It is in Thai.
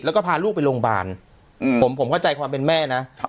แล้วก็พาลูกไปโรงพยาบาลผมผมเข้าใจความเป็นแม่นะ